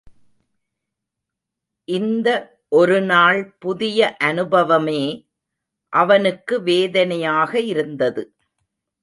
இந்த ஒருநாள் புதிய அனுபவமே அவனுக்கு வேதனையாக இருந்தது.